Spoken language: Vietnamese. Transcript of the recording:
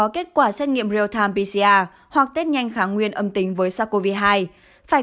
kết quả xét nghiệm real time pcr hoặc test nhanh kháng nguyên âm tính với sars cov hai phải